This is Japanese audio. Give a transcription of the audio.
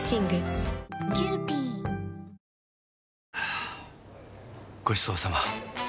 はぁごちそうさま！